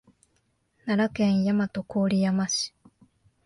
奈良県大和郡山市